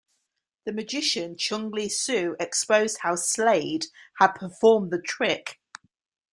The magician Chung Ling Soo exposed how Slade had performed the trick.